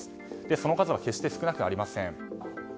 その数は決して少なくありません。